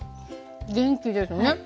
元気ですね！